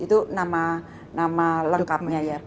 itu nama lengkapnya